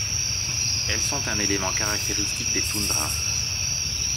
Elles sont un élément caractéristique des toundras.